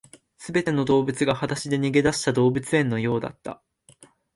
全ての動物が裸足で逃げ出した動物園のようだった